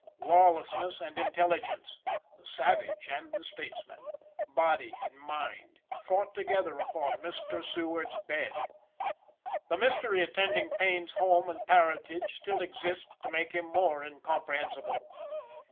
Lawlessness and intelligence, the savage and the statesman, body and mind, fought together upon Mr. Seward's bed. The mystery attending Payne's home and parentage still exists to make him more incomprehensible.